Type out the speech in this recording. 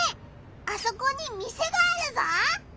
あそこに店があるぞ！